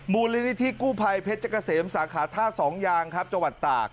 มูลนิธิกู้ภัยเพชรเกษมสาขาท่าสองยางครับจังหวัดตาก